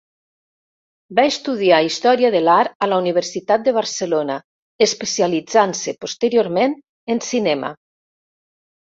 Va estudiar història de l'art a la Universitat de Barcelona, especialitzant-se posteriorment en cinema.